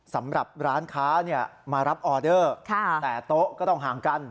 สำหรับร้านค้ามารับออเดอร์แต่โต๊ะก็ต้องห่างกัน